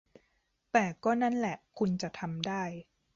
แต่ก็นั่นล่ะคุณจะทำได้